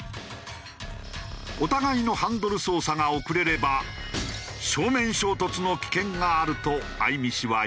お互いのハンドル操作が遅れれば正面衝突の危険があると相見氏は言う。